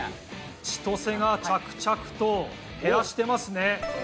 ちとせが着々と減らしてますね。